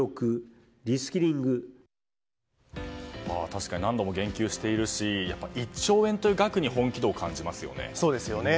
確かに何度も言及しているし１兆円という額に本気を感じますよね。